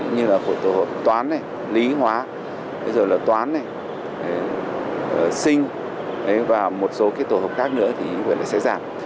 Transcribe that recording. như là của tổ hợp toán lý hóa rồi là toán sinh và một số cái tổ hợp khác nữa thì vẫn sẽ giảm